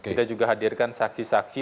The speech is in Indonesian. kita juga hadirkan saksi saksi